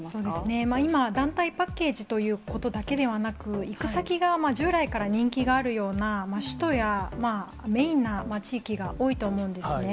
今、団体パッケージということではなく、行く先が、従来から人気があるような、首都やメインな地域が多いと思うんですね。